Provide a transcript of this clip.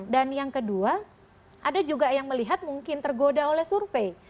dan yang kedua ada juga yang melihat mungkin tergoda oleh survei